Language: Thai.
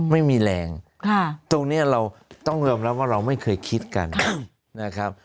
ไม่มีแรงตรงนี้เราต้องยอมรับว่าเราไม่เคยคิดกันนะครับ